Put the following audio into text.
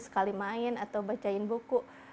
sekali main atau bacain buku